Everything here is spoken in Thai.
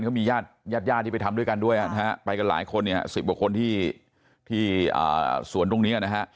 เขามีญาติญาติที่ไปทำด้วยกันด้วยนะฮะไปกันหลายคนเนี่ย๑๐กว่าคนที่สวนตรงนี้นะฮะ